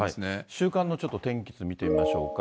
週間のちょっと天気図見てみましょうか。